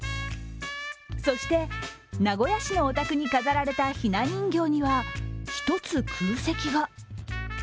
そして名古屋市のお宅に飾られたひな人形には１つ空席が。